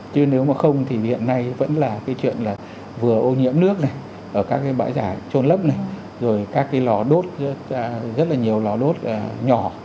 chứ nếu mà không thì hiện nay vẫn là cái chuyện là vừa ô nhiễm nước này ở các cái bãi giả trôn lấp này rồi các cái lò đốt rất là nhiều lò đốt nhỏ